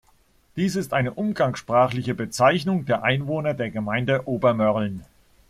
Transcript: Dies ist eine umgangssprachliche Bezeichnung der Einwohner der Gemeinde Ober-Mörlen.